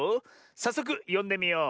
さっそくよんでみよう。